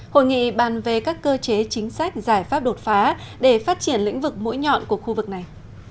hội nghị bàn về các cơ chế chính sách giải pháp đột phá để phát triển lĩnh vực mũi nhọn của khu vực này